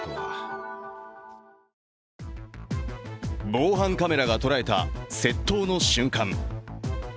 防犯カメラが捉えた窃盗の瞬間